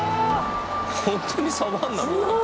ホントにサバンナみたい。